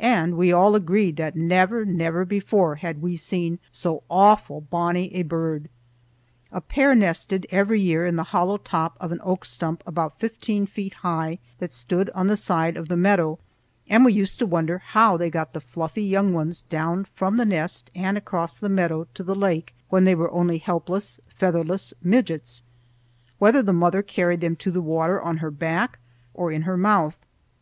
And we all agreed that never, never before had we seen so awfu' bonnie a bird. A pair nested every year in the hollow top of an oak stump about fifteen feet high that stood on the side of the meadow, and we used to wonder how they got the fluffy young ones down from the nest and across the meadow to the lake when they were only helpless, featherless midgets; whether the mother carried them to the water on her back or in her mouth.